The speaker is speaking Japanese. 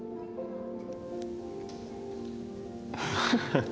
ハハハ！